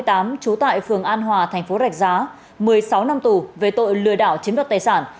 trú tại phường an hòa thành phố rạch giá một mươi sáu năm tù về tội lừa đảo chiếm đoạt tài sản